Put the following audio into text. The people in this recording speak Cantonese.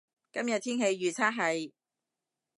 今日天氣預測係